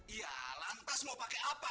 iya lantas mau pakai apa